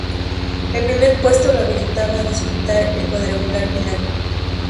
El primer puesto lo habilitaba a disputar el cuadrangular final.